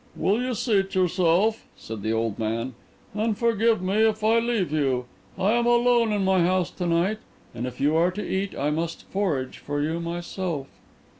"Will you seat yourself," said the old man, "and forgive me if I leave you? I am alone in my house to night, and if you are to eat I must forage for you myself."